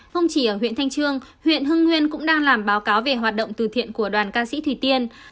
không chỉ ở huyện thanh trương huyện hưng nguyên cũng đang làm báo cáo về hoạt động từ thiện của đoàn ca sĩ thủy tiên